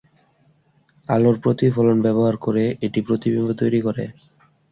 আলোর প্রতিফলন ব্যবহার করে এটি প্রতিবিম্ব তৈরি করে।